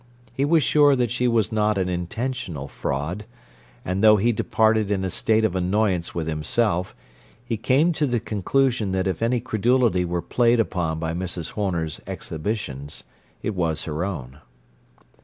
He was sure that she was not an intentional fraud, and though he departed in a state of annoyance with himself, he came to the conclusion that if any credulity were played upon by Mrs. Horner's exhibitions, it was her own.